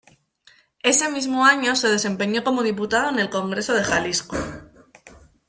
Ese mismo año se desempeñó como diputado en el Congreso de Jalisco.